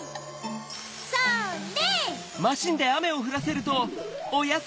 それ！